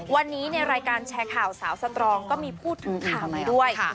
วันนี้ในรายการแชร์ข่าวสาวสตรองก็มีพูดถึงข่าวนี้ด้วย